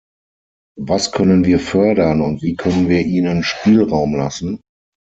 Was können wir fördern, und wie können wir ihnen Spielraum lassen?